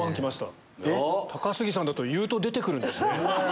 高杉さんだと言うと出て来るんですね。